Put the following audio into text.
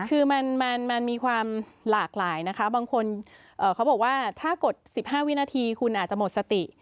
คือมันมีความหลากหลายนะคะบางคนเขาบอกว่าถ้ากด๑๕วินาทีคุณอาจจะหมดสติ